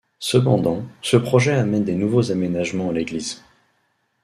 Cependant, ce projet amène des nouveaux aménagements à l'église.